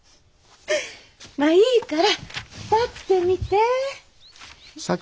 まあいいから立ってみて。